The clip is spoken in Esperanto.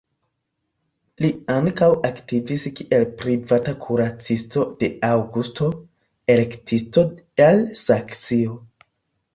Li ankaŭ aktivis kiel privata kuracisto de Aŭgusto, elektisto el Saksio.